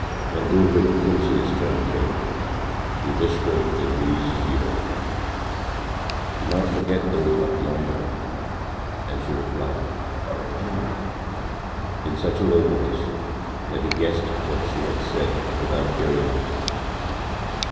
When Ulrich Kunsi's turn came, he whispered in Louise's ear, “Do not forget those up yonder,” and she replied, “No,” in such a low voice that he guessed what she had said without hearing it.